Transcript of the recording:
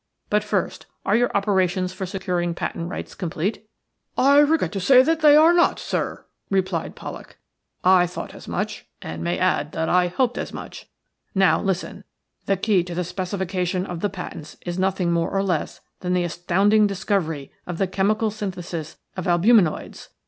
But, first, are your operations for securing patent rights complete?" "'ARE YOUR OPERATIONS FOR SECURING PATENT RIGHTS COMPLETE?" "I regret to say they are not, sir," replied Pollak. "I thought as much, and may add that I hoped as much. Now, listen. The key to the specification of the patents is nothing more or less than the astounding discovery of the chemical synthesis of albuminoids.